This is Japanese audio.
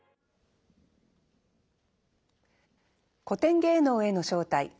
「古典芸能への招待」。